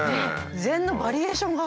禅のバリエーションが。